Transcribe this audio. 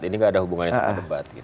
ini gak ada hubungannya sama debat